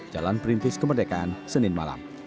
jalan perintis kemerdekaan senin malam